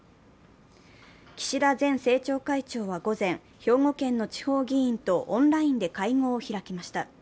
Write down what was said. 岸田前政調会長は午前、兵庫県の地方議員とオンラインで会合を開きました。